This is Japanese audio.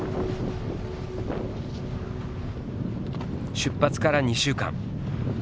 出発から２週間。